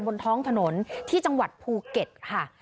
บนท้องถนนที่จังหวัดภูเก็ตค่ะ